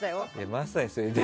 まさに、それで。